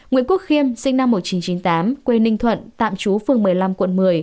nguyễn quốc khiêm sinh năm một nghìn chín trăm chín mươi tám quê ninh thuận tạm trú phương một mươi năm quận một mươi